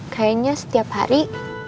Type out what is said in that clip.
kayanya setiap hari